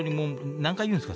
何回言うんですか？